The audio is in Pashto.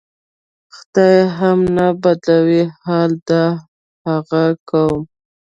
"خدای هم نه بدلوي حال د هغه قوم".